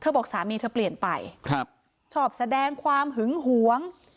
เธอบอกว่าสามีเธอเปลี่ยนไปชอบแสดงความหึงหวง